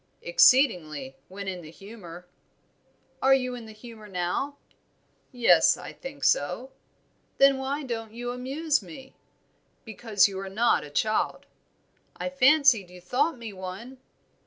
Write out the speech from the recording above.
"Exceedingly, when in the humor." "Are you in the humor now?" "Yes, I think so." "Then why don't you amuse me?" "Because you are not a child." "I fancied you thought me one."